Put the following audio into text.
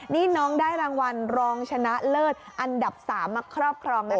นี่น้องได้รางวัลรองชนะเลิศอันดับ๓มาครอบครองนะคะ